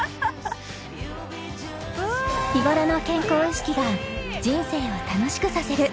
［日頃の健康意識が人生を楽しくさせる］